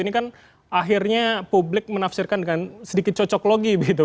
ini kan akhirnya publik menafsirkan dengan sedikit cocok logi begitu